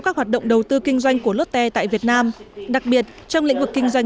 các hoạt động đầu tư kinh doanh của lotte tại việt nam đặc biệt trong lĩnh vực kinh doanh